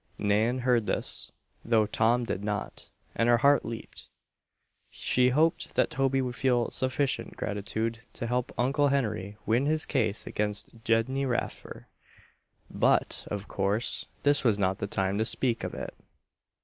Nan heard this, though Tom did not, and her heart leaped. She hoped that Toby would feel sufficient gratitude to help Uncle Henry win his case against Gedney Raffer. But, of course, this was not the time to speak of it.